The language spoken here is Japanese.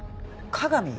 加賀美？